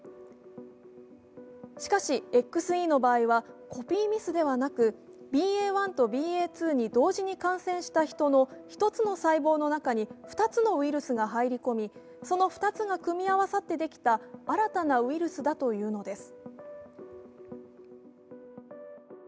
しかし、ＸＥの場合はコピーミスではなく、ＢＡ．１とＢＡ．２に同時に感染した人の１つの細胞の中に２つのウイルスが入り込み、その２つが組み合わせってできた新たなウイルスだというのです。